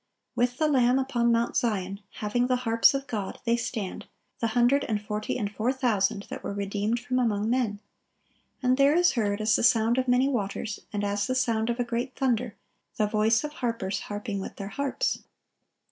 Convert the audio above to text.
(1121) With the Lamb upon Mount Zion, "having the harps of God," they stand, the hundred and forty and four thousand that were redeemed from among men; and there is heard, as the sound of many waters, and as the sound of a great thunder, "the voice of harpers harping with their harps."